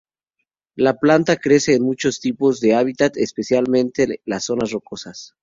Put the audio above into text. La planta crece en muchos tipos de hábitat, especialmente las zonas rocosas.